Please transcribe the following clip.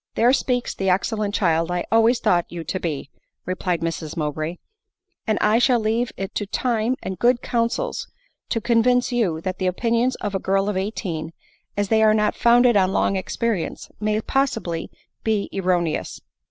" There speaks the excellent child I always thought you to be P' replied Mrs Mowbray ;" and I shall leave it to time and good counsels to convince you, that the opinions of a girl of eighteen, as they are not founded on long experience, may possibly be erroneous."